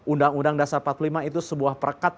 undang undang dasar empat puluh lima itu sebuah perkat